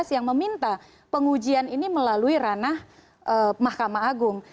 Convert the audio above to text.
yang meminta pengujian ini melalui ranah mahkamah agung